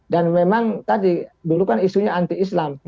dan memang tadi dulu kan isunya anti islam